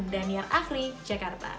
daniar afri jakarta